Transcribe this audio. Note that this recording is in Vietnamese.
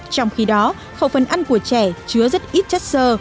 trong khi đó khẩu phần ăn của trẻ chứa rất ít chất sơ